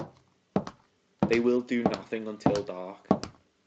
They will do nothing until dark.